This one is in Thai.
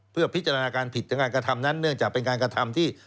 เพื่อพิจารณาการผิดถึงการกระทำนั้นเนื่องจากเป็นการกระทำที่